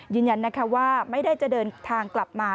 ยืนยันนะคะว่าไม่ได้จะเดินทางกลับมา